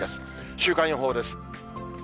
週間予報です。